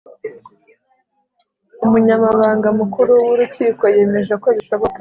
Umunyamabanga mukuru w urukiko yemeje ko bishoboka